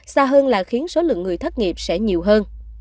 xa hơn là khiến số lượng người thất nghiệp sẽ nhiều hơn